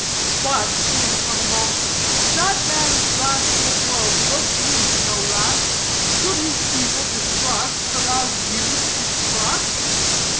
But," turning upon them all, "if that man's wrathful blow provokes me to no wrath, should his evil distrust arouse you to distrust?